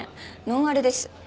ノンアルです。